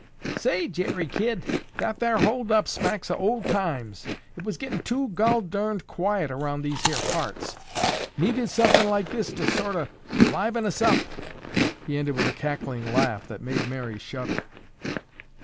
"Say, Jerry kid, that thar holdup smacks o' old times. It was gettin' too gol darned quiet around these here parts. Needed suthin' like this to sort o' liven us up." He ended with a cackling laugh that made Mary shudder.